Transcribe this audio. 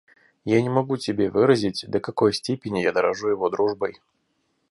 Я не могу тебе выразить, до какой степени я дорожу его дружбой.